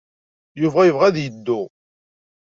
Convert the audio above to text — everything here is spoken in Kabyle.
Yuba yebɣa ad yeddu.